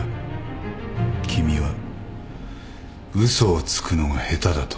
君は嘘をつくのが下手だと。